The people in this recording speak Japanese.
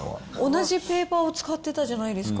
同じペーパーを使ってたじゃないですか。